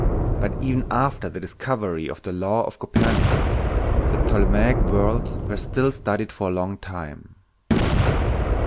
But even after the discovery of the law of Copernicus the Ptolemaic worlds were still studied for a long time.